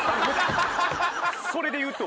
それでいうと。